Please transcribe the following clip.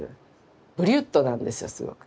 ブリュットなんですよすごく。